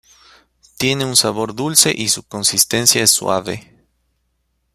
Tiene un sabor dulce y su consistencia es suave.